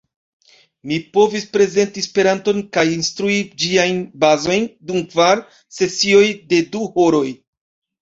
Mi povis prezenti Esperanton kaj instrui ĝiajn bazojn dum kvar sesioj de du horoj.